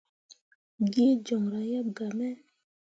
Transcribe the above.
Gee joŋra yeb gah me.